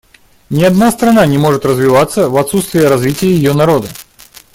Ни одна страна не может развиваться в отсутствие развития ее народа.